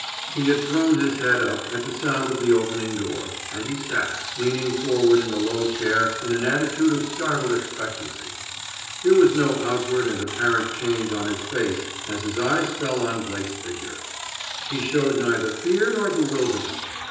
He had thrown his head up, at the sound of the opening door, and he still sat, leaning forward in the low chair in an attitude of startled expectancy. There was no outward and apparent change on his face as his eyes fell on Blake's figure. He showed neither fear nor bewilderment.